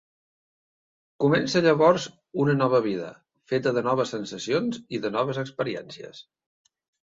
Comença llavors una nova vida, feta de noves sensacions i de noves experiències.